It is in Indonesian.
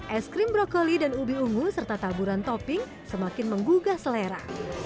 es krim brokoli dan ubi ungu serta taburan topping semakin menggugah selera